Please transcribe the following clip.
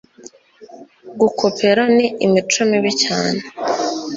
Gukopera ni imico mibi cyane